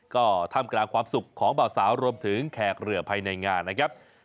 ก็ท่ามกลางความสุขของเบาสาวรวมถึงแขกเรือภายในงานนะครับ